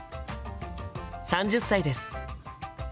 ３０歳です。